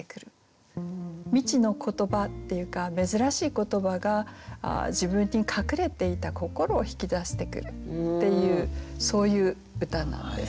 未知の言葉っていうか珍しい言葉が自分に隠れていた心を引き出してくるっていうそういう歌なんですね。